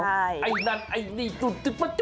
ไอ้นั่นไอ้นี่จุด